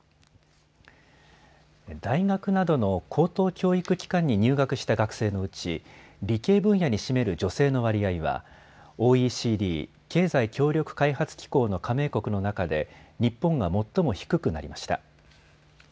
大学などの高等教育機関に入学した学生のうち理系分野に占める女性の割合はＯＥＣＤ・経済協力開発機構の加盟国の中で日本が最も低くなりました。